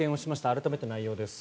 改めて内容です。